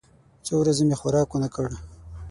څو ورځې مې خوراک ونه کړ.